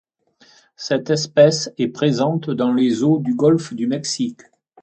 Cette espèce est présente dans les eaux du golfe du Mexique.